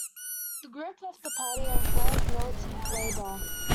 The group left the party and formed Militant Labour.